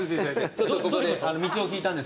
ちょっとここで。